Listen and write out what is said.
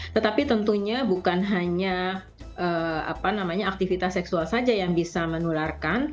tetapi tentunya bukan hanya aktivitas seksual saja yang bisa menularkan